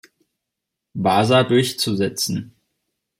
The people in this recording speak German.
Wasa durchzusetzen.